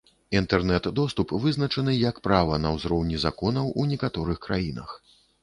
Інтэрнэт доступ вызначаны як права на ўзроўні законаў у некаторых краінах.